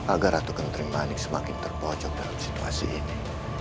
agar ratu ketrimanik semakin terpocok dalam situasi ini